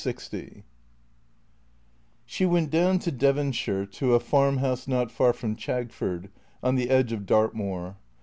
LX SHE went down to Devonshire, to a farm house not far from Chagford, on the edge of Dartmoor.